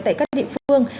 tại các địa phương